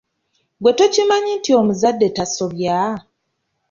Gwe tokimanyi nti omuzadde tasobya?